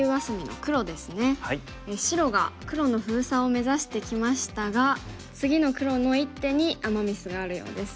白が黒の封鎖を目指してきましたが次の黒の一手にアマ・ミスがあるようです。